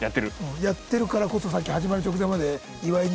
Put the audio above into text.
やってるからこそさっき始まる直前まで岩井に。